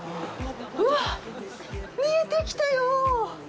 うわっ、見えてきたよ。